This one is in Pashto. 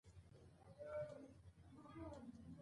د وخت واکمنو هغه له ښوونځي ویست.